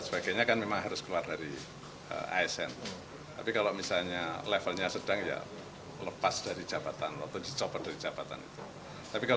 bisa dan banyak